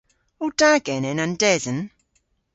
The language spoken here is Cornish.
O da genen an desen?